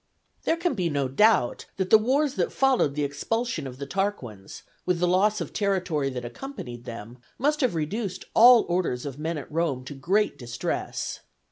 There can be no doubt that the wars that followed the expulsion of the Tarquins, with the loss of territory that accompanied them, must have reduced all orders of men at Rome to great distress.